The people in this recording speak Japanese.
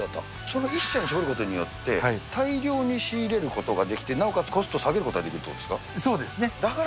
その１社に絞ることによって、大量に仕入れることができて、なおかつコストを下げることができるということですか。